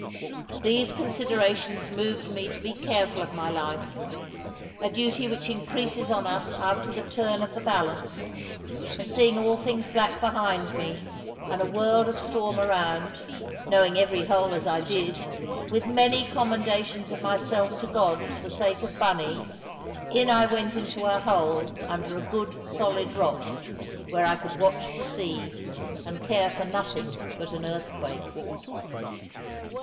These considerations moved me to be careful of my life a duty which increases on us after the turn of the balance; and seeing all things black behind me, and a world of storm around, knowing every hole as I did, with many commendations of myself to God for the sake of Bunny, in I went into a hole under a good solid rock, where I could watch the sea, and care for nothing but an earthquake.